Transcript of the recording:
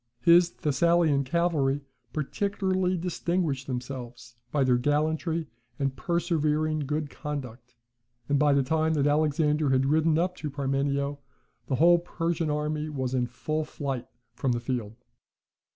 His Thessalian cavalry particularly distinguished themselves by their gallantry and persevering good conduct; and by the time that Alexander had ridden up to Parmenio, the whole Persian army was in full flight from the field.